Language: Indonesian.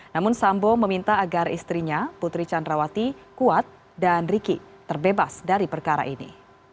namun sambo meminta agar istrinya putri candrawati kuat dan riki terbebas dari perkara ini